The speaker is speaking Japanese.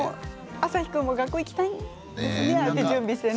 朝陽君も学校に行きたいですよね。